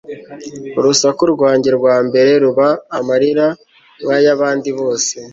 urusaku rwanjye rwa mbere ruba amarira, nk'ay'abandi bose